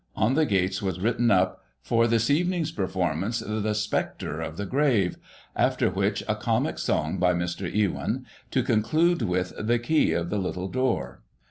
On the gates was written up, " For this evening's performance The Spectre of the Grave ; after which, a comic song by Mr. Ewyn; to conclude with The Key of the Little Door."